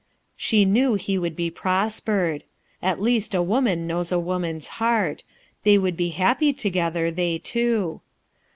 She knew he would be prospered. At least a woman knows a woman's heart. They would be happy together, they two.